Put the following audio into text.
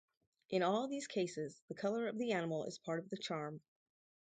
In all these cases the color of the animal is part of the charm.